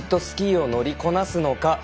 スキーを乗りこなすのか。